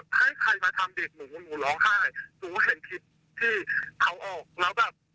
หนูไม่เคยแบบให้ใครมาทำเด็กหนูหนูร้องไห้หนูเห็นคิดที่เขาออกแล้วแบบ